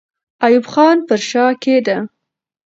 ایوب خان پر شا کېده.